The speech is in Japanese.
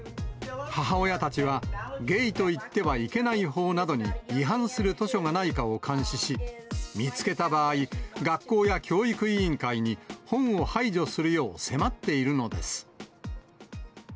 母親たちは、ゲイと言ってはいけない法などに違反する図書がないかを監視し、見つけた場合、学校や教育委員会に本を排除するよう迫っているのです。